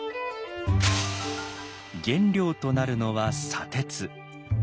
原料となるのは砂鉄。